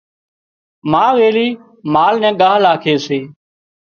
ما ويلِي مال نين ڳاهَ لاکي سي۔